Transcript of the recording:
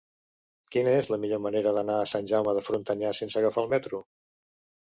Quina és la millor manera d'anar a Sant Jaume de Frontanyà sense agafar el metro?